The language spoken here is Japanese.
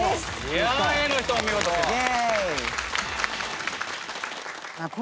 いやあＡの人お見事です。